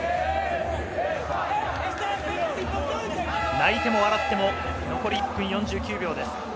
泣いても笑っても残り１分４９秒です。